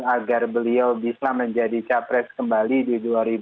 agar beliau bisa menjadi capres kembali di dua ribu dua puluh